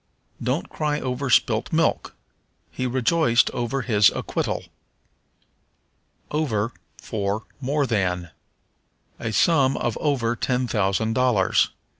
"Don't cry over spilt milk." "He rejoiced over his acquittal." Over for More than. "A sum of over ten thousand dollars."